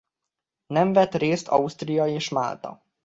Nem vett részt Ausztria és Málta.